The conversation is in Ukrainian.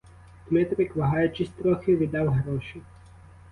Дмитрик, вагаючись трохи, віддав гроші.